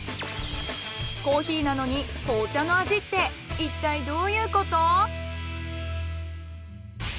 コーヒーなのに紅茶の味っていったいどういうこと！？